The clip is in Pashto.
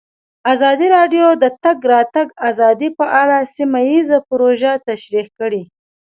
ازادي راډیو د د تګ راتګ ازادي په اړه سیمه ییزې پروژې تشریح کړې.